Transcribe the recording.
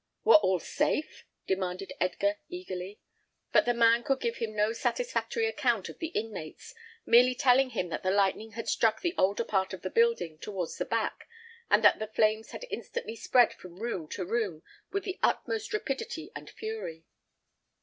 "Were all safe?" demanded Edgar, eagerly; but the man could give him no satisfactory account of the inmates, merely telling him that the lightning had struck the older part of the building towards the back, and that the flames had instantly spread from room to room with the utmost rapidity and fury.